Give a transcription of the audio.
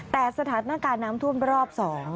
แต่สถานการณ์น้ำท่วมรอบ๒